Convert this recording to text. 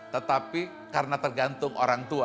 tetapi karena tergantung orang tua